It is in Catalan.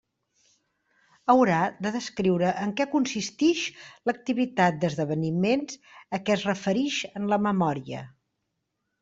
Haurà de descriure en què consistix l'activitat «d'esdeveniments» a què es referix en la memòria.